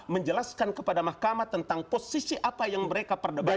menjelaskan kepada mahkamah tentang posisi apa yang mereka perdebatkan